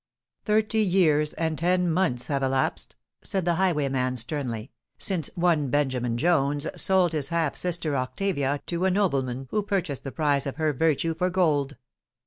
"Thirty years and ten months have elapsed," said the highwayman sternly, "since one Benjamin Bones sold his half sister Octavia to a nobleman who purchased the prize of her virtue for gold!"